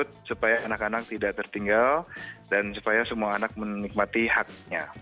untuk supaya anak anak tidak tertinggal dan supaya semua anak menikmati haknya